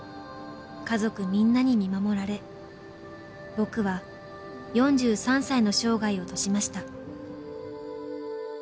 家族みんなに見守られ僕は４３歳の生涯を閉じました」